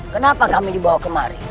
kenapa kami dibawa kemari